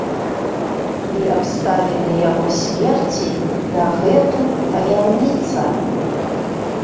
І абставіны яго смерці дагэтуль таямніца.